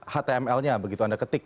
html nya begitu anda ketik